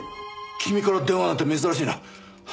君から電話なんて珍しいな。